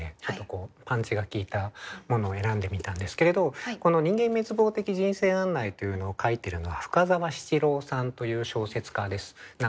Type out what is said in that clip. ちょっとこうパンチが効いたものを選んでみたんですけれどこの「人間滅亡的人生案内」というのを書いてるのは深沢七郎さんという小説家です。